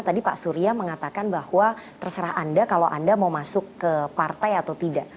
tadi pak surya mengatakan bahwa terserah anda kalau anda mau masuk ke partai atau tidak